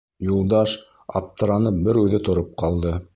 Юлдаш, аптыранып, бер үҙе тороп ҡалды.